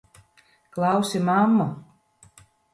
Klausi mammu!